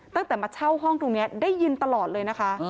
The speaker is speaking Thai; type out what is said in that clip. ตั้งแต่มาเช่าห้องตรงนี้ได้ยินตลอดเลยนะคะ